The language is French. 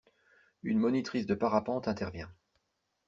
Une monitrice de parapente intervient.